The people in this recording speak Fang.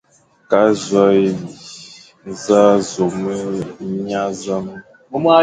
Ke azôe, nẑa zôme, nya zame,